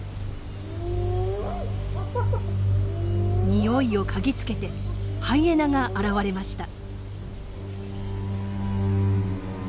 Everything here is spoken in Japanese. ニオイを嗅ぎつけてハイエナが現れました。